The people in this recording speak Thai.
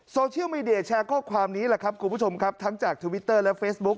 โซเชียลมีเดียแชร์ข้อความนี้แหละครับคุณผู้ชมครับทั้งจากทวิตเตอร์และเฟซบุ๊ค